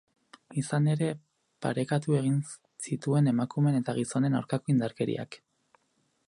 Izan ere, parekatu egin zituen emakumeen eta gizonen aurkako indarkeriak.